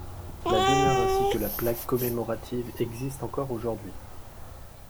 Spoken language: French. La demeure ainsi que la plaque commémorative existent encore aujourd'hui.